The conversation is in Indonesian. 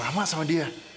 sama sama sama dia